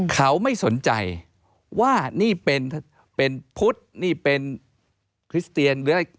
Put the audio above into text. เขาไม่สนใจว่านี่เป็นพุทธนี่เป็นคริสเตียนหรืออะไร